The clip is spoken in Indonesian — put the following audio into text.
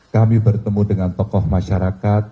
kami bertemu dengan tokoh masyarakat